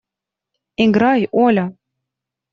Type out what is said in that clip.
Играй, Оля!